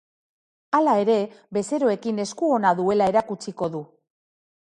Hala ere, bezeroekin esku ona duela erakutsiko du.